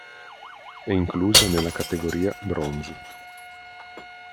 È inclusa nella categoria "bronze".